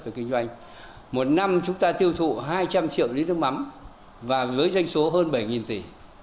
về kinh doanh một năm chúng ta tiêu thụ hai trăm linh triệu lít nước mắm và với doanh số hơn bảy tỷ